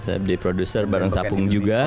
saya jadi produser bareng sapung juga